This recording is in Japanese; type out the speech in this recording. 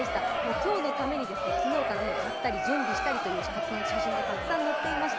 今日のために昨日から買ったり準備したりした人の写真がたくさん載っていました。